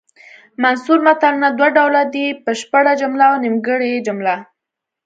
منثور متلونه دوه ډوله دي بشپړه جمله او نیمګړې جمله